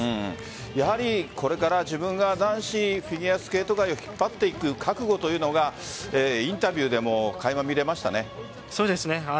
やはりこれから自分が男子フィギュアスケート界を引っ張っていく覚悟というのがインタビューでもそうですね。